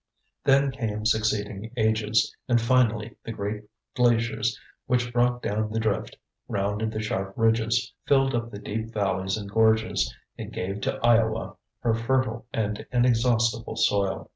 Then came succeeding ages, and finally the great glaciers which brought down the drift, rounded the sharp ridges, filled up the deep valleys and gorges, and gave to Iowa her fertile and inexhaustible soil.